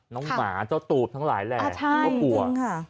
น้องหมาเจ้าตูบทั้งหลายแหละก็กลัวใช่อันนึงค่ะ